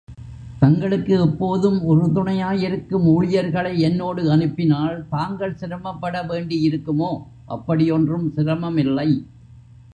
தங்களுக்கு எப்போதும் உறுதுணையாயிருக்கும் ஊழியர்களை என்னோடு அனுப்பினால் தாங்கள் சிரமப்பட வேண்டியிருக்குமோ? அப்படி ஒன்றும் சிரமமில்லை!